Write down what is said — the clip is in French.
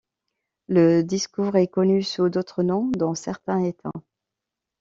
Le discours est connu sous d'autres noms dans certains États.